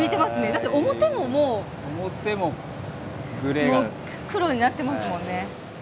だって表ももうもう黒になってますもんね。